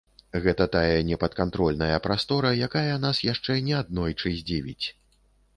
Гэта тая непадкантрольная прастора, якая нас яшчэ не аднойчы здзівіць.